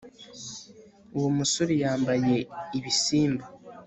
uwo musore yampaye ibisimba